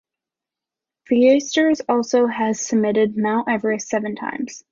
Viesturs also has summitted Mount Everest seven times.